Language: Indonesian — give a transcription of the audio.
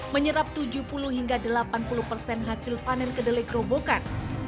menyerap tujuh puluh hingga delapan puluh persen hasil panen kedelai kerobokan